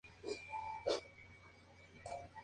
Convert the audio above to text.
Nacido en Viena, Austria, trabajó en los Estados Unidos.